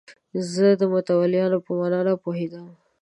زه د متولیانو په معنی نه پوهېدم.